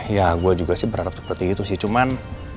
ya gue juga sih berharap seperti itu sih cuman